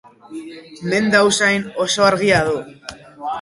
Menda usain oso argia du.